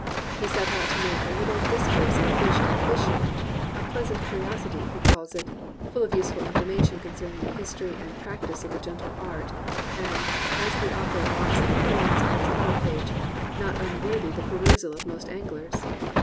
He set out to make a little "discourse of fish and fishing," a "pleasant curiositie" he calls it, full of useful information concerning the history and prac tice of the gentle art, and, as the author modestly claims on his title page, "not unworthy the perusal of most anglers."